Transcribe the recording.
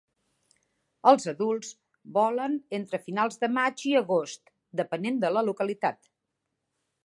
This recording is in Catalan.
Els adults volen entre finals de maig i agost, depenent de la localitat.